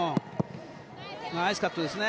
ナイスカットですね。